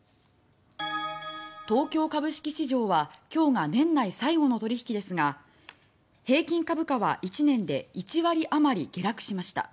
東京株式市場は今日が年内最後の取引ですが平均株価は１年で１割あまり下落しました。